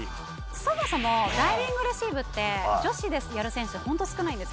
そもそもダイビングレシーブって女子でやる選手はホント少ないんですよ。